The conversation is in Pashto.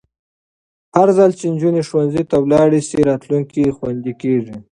هرځل چې نجونې ښوونځي ته ولاړې شي، راتلونکی خوندي کېږي.